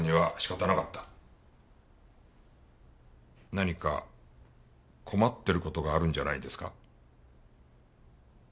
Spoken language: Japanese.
何か困っていることがあるんじゃないですか？